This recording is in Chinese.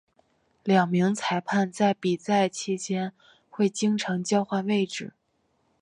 两名裁判在比赛期间会经常交换位置。